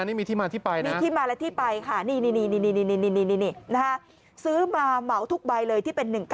นี่มีที่มาและที่ไปนะครับนะครับซื้อมาเหมาทุกใบเลยที่เป็น๑๙๖